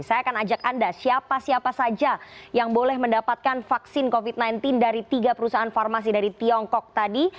saya akan ajak anda siapa siapa saja yang boleh mendapatkan vaksin covid sembilan belas dari tiga perusahaan farmasi dari tiongkok tadi